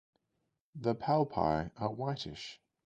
The palpi are whitish.